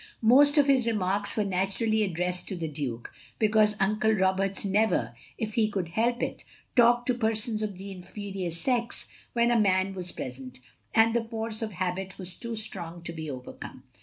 Most of his remarks were naturally addressed to the Duke, because Uncle Roberts never, if he could help it, talked to per sons of the inferior sex when a man was pres ent ; and the force of habit was too strong to be overcome.